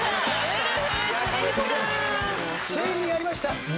ついにやりました！